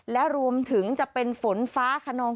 และรวมถึงจะเป็นฝนฟ้าขนอง